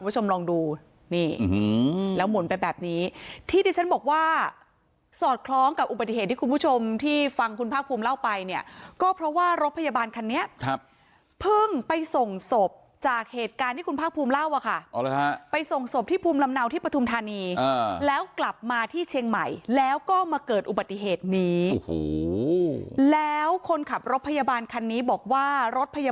ที่ที่ฉันบอกว่าสอดคล้องกับอุบัติเหตุที่คุณผู้ชมที่ฟังคุณพักภูมิเล่าไปเนี่ยก็เพราะว่ารถพยาบาลคันนี้เพิ่งไปส่งศพจากเหตุการณ์ที่คุณพักภูมิเล่าว่ะค่ะไปส่งศพที่ภูมิลำเนาที่ปทุมธานีแล้วกลับมาที่เชียงใหม่แล้วก็มาเกิดอุบัติเหตุนี้แล้วคนขับรถพยาบาลคันนี้บอกว่ารถพยา